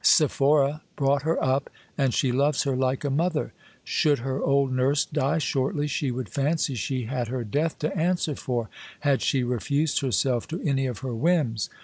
Sephora brought her up, and she loves her like a mother. Should her old nurse die shortly, she would fancy she had her death to answer for, had she refused herself to any of her whims.